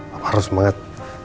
papa harus semangat